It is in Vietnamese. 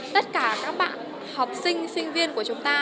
tất cả các bạn học sinh sinh viên của chúng ta